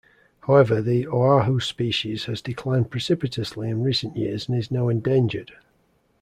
However, the Oahu species has declined precipitously in recent years and is now endangered.